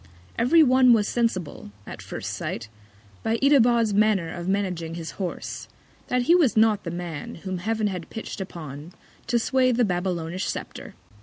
Every One was sensible, at first Sight, by Itobad's Manner of managing his Horse, that he was not the Man whom Heav'n had pitch'd upon to sway the Babylonish Scepter.